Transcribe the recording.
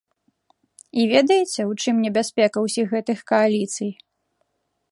І ведаеце, у чым небяспека ўсіх гэтых кааліцый?